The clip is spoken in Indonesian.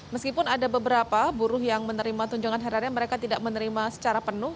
meskipun ada beberapa buruh yang menerima tunjangan hari raya mereka tidak menerima secara penuh